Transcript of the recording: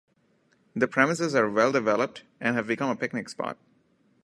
The premises are well developed and have become a picnic spot.